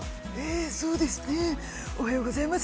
えー、そうですね、おはようございます。